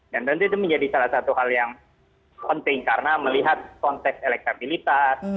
dan tentu itu menjadi salah satu hal yang penting karena melihat konsep elektabilitas